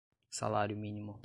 salário-mínimo